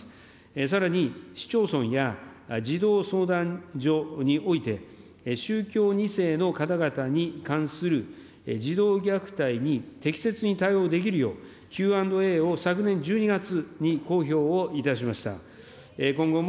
さらに、市町村や児童相談所において、宗教２世の方々に関する児童虐待に適切に対応できるよう、Ｑ＆Ａを昨年１２月に公表をいたしました。